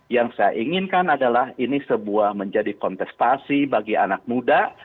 yang saya inginkan adalah ini sebuah menjadi kontestasi bagi anak muda